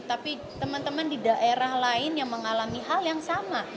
tapi teman teman di daerah lain yang mengalami hal yang sama